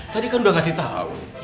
tadi kan udah ngasih tahu